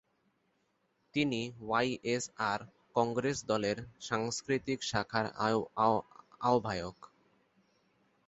তিনি ওয়াইএসআর কংগ্রেস দলের সাংস্কৃতিক শাখার আহ্বায়ক।